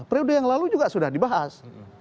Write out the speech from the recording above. periode yang lalu juga sudah dibahas